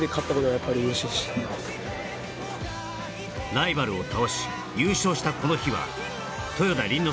ライバルを倒し優勝したこの日は豊田倫之